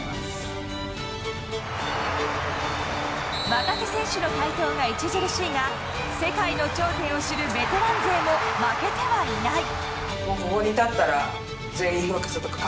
若き選手の台頭が著しいが世界の頂点を知るベテラン勢も負けてはいない。